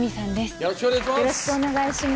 よろしくお願いします